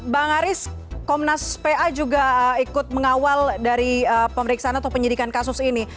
bang aris komnas pa juga ikut mengawal dari pemeriksaan atau penyidikan kasus ini